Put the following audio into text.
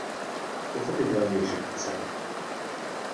Pochopitelně, že chceme!